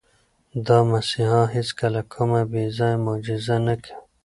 دا مسیحا هیڅکله کومه بې ځایه معجزه نه کوي.